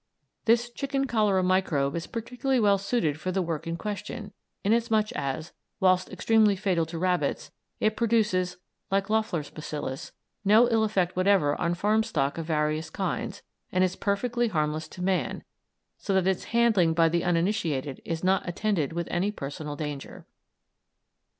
This chicken cholera microbe is particularly well suited for the work in question, inasmuch as, whilst extremely fatal to rabbits, it produces, like Loeffler's bacillus, no ill effect whatever on farm stock of various kinds, and is perfectly harmless to man, so that its handling by the uninitiated is not attended with any personal danger.